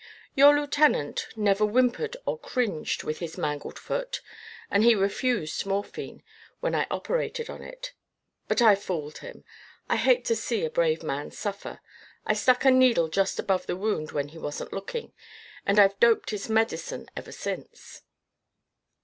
Your lieutenant never whimpered or cringed with his mangled foot and he refused morphine when I operated on it. But I fooled him. I hate to see a brave man suffer. I stuck a needle just above the wound when he wasn't looking, and I've doped his medicine ever since."